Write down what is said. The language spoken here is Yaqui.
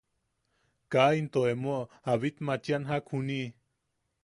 Kaa into emo a bitmachian jak juniʼi.